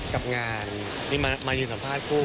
กับงานที่มายืนสัมภาษณ์คู่